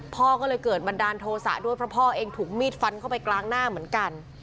พ่อก็เลยเกิดบันดาลโทษะด้วยเพราะพ่อเองถูกมีดฟันเข้าไปกลางหน้าเหมือนกัน